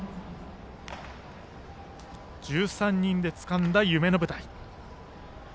１３人でつかんだ夢の舞台。